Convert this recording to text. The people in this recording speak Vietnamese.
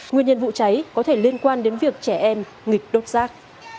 nguyên nhân vụ cháy có thể liên quan đến việc trẻ em nghịch đốt rác